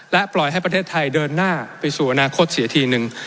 ปล่อยให้ประเทศไทยเดินหน้าไปสู่อนาคตเสียทีนึง